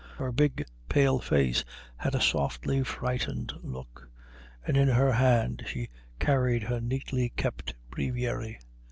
Her big pale face had a softly frightened look, and in her hand she carried her neatly kept breviary.